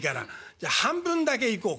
じゃ半分だけいこうか。